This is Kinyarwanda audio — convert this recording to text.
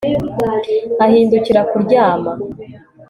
ahindukira kuryama